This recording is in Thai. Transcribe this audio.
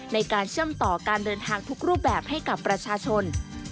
ในการเชื่อมต่อการเดินทางทุกรูปแบบให้กับประชาชน